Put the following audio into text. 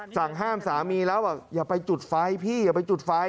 สั่งห้ามสามีแล้วบอกอย่าไปจุดไฟพี่อย่าไปจุดไฟ